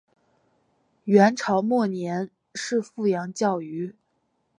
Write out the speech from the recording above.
元朝末年是富阳教谕。